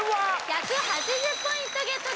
１８０ポイントゲット